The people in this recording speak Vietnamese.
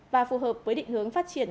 và phù hợp với định hướng phát triển